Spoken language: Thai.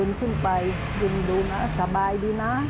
ยินดูว่าสบายดีน่ะ